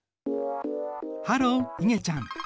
ハローいげちゃん。